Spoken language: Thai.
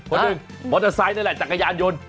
คนหนึ่งมอเตอร์ไซค์นั่นแหละจักรยานยนต์